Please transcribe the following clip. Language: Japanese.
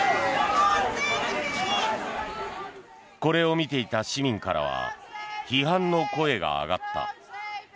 これを見ていた市民からは批判の声が上がった。